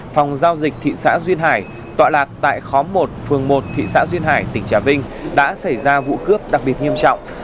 phòng giao dịch thị xã duyên hải tọa lạc tại khóm một phường một thị xã duyên hải tỉnh trà vinh đã xảy ra vụ cướp đặc biệt nghiêm trọng